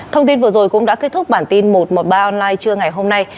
thông tin vừa rồi cũng đã kết thúc bản tin một trăm một mươi ba online trưa ngày hôm nay